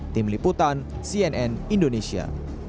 tim liputan cnn indonesia